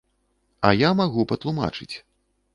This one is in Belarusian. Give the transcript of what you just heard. А я магу патлумачыць.